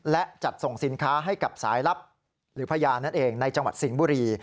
และจัดส่งสินค้าให้กับสายลับหรือพญานั่นเองในจังหวัดสิงห์บุรี